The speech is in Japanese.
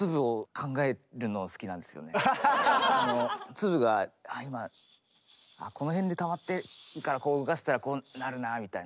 粒が今この辺でたまってるからこう動かしたらこうなるなみたいな。